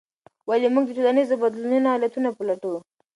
ولې موږ د ټولنیزو بدلونونو علتونه پلټو؟